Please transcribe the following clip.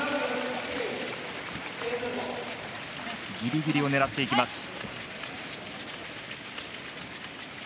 ギリギリを狙っていきました。